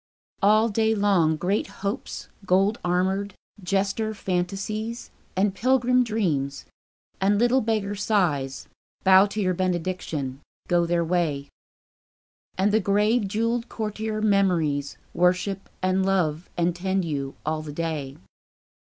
All day long Great Hopes gold armoured, jester Fantasies, And pilgrim Dreams, and little beggar Sighs, Bow to your benediction, go their way. And the grave jewelled courtier Memories Worship and love and tend you, all the day.